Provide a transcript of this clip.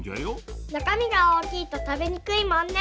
なかみがおおきいとたべにくいもんね！